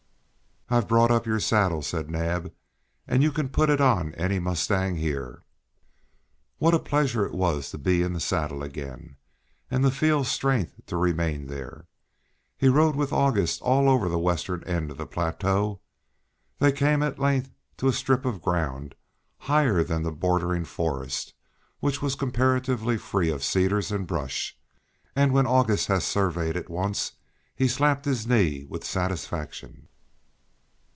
"I've brought up your saddle," said Naab, "and you can put it on any mustang here." What a pleasure it was to be in the saddle again, and to feel strength to remain there! He rode with August all over the western end of the plateau. They came at length to a strip of ground, higher than the bordering forest, which was comparatively free of cedars and brush; and when August had surveyed it once he slapped his knee with satisfaction.